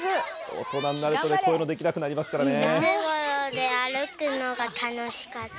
大人になると、こういうのできなくなりますからね。